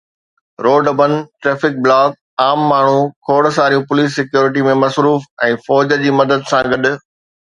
Road بند، traffic block, عام ماڻهو کوڙ ساريون پوليس سيڪيورٽي ۾ مصروف ۽ فوج جي مدد سان گڏ.